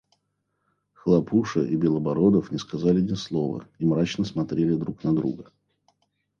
Хлопуша и Белобородов не сказали ни слова и мрачно смотрели друг на друга.